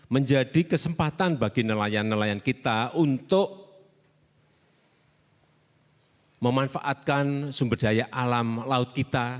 menjadi kesempatan bagi nelayan nelayan kita untuk memanfaatkan sumber daya alam laut kita